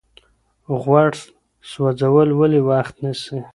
غوړ سوځول ولې وخت نیسي؟